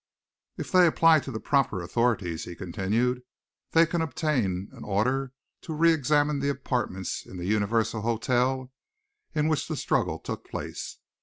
"If they apply to the proper authorities," he continued, "they can obtain an order to re examine the apartments in the Universal Hotel in which the struggle took place.